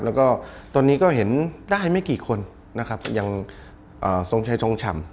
แล้วตอนนี้ก็เห็นได้เมื่อกี่คนนะครับอย่างทรงชัม